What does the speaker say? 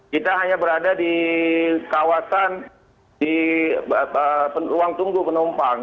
kita hanya berada di kawasan di ruang tunggu penumpang